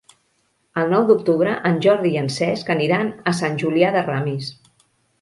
El nou d'octubre en Jordi i en Cesc aniran a Sant Julià de Ramis.